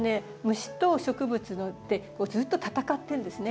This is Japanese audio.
虫と植物ってずっと戦ってるんですね。